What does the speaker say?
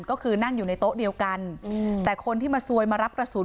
ก็คือนั่งอยู่ในโต๊ะเดียวกันแต่คนที่มาซวยมารับกระสุน